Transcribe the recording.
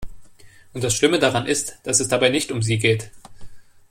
Und das Schlimme daran ist, dass es dabei nicht um sie geht.